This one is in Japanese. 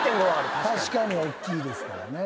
確かにおっきいですからね。